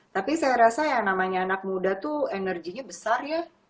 tapi saya rasa ya namanya anak muda tuh energinya besar ya